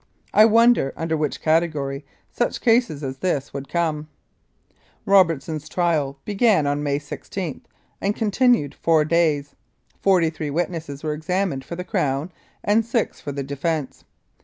I wonder under which category such cases as this would come ! Robertson's trial began on May 16, and continued four days. Forty three witnesses were examined for the Crown and six for the defence.